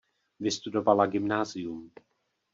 Vystudovala gymnázium.